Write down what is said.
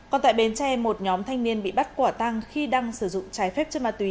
còn tại bến tre một nhóm thanh niên bị bắt quả tăng khi đang sử dụng trái phép chất ma túy